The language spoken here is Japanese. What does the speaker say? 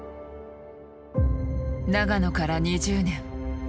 長野から２０年。